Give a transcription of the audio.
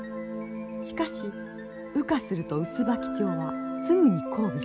しかし羽化するとウスバキチョウはすぐに交尾します。